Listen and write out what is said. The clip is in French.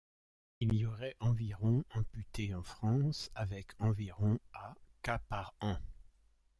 Il y aurait environ amputées en France avec environ à cas par an.